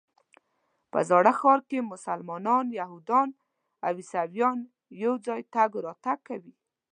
په زاړه ښار کې مسلمانان، یهودان او عیسویان یو ځای تګ راتګ کوي.